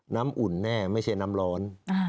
อุ่นแน่ไม่ใช่น้ำร้อน